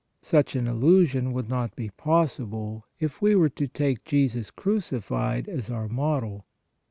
Such an illusion would not be possible, if we were to take Jesus crucified as our Model.